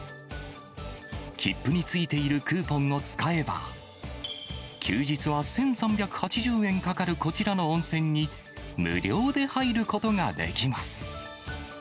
切符についているクーポンを使えば、休日は１３８０円かかるこちらの温泉に、無料で入ることができます。